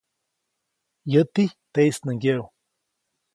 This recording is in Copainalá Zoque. Yäti, teʼis nä ŋgyeʼu.